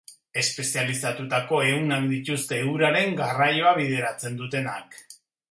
Espezializatutako ehunak dituzte, uraren garraioa bideratzen dutenak.